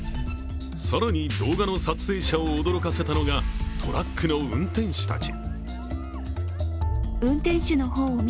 更に動画の撮影者を驚かせたのが、トラックの運転手たち。